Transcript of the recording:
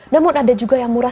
namun ada juga yang murah